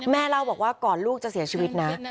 เล่าบอกว่าก่อนลูกจะเสียชีวิตนะ